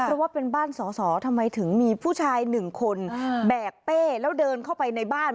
เพราะว่าเป็นบ้านสอสอทำไมถึงมีผู้ชายหนึ่งคนแบกเป้แล้วเดินเข้าไปในบ้าน